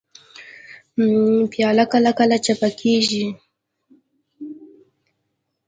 پیاله کله کله چپه کېږي.